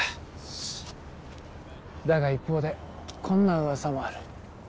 だが一方でこんな噂もある。